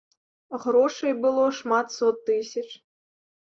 Грошай было шмат сот тысяч.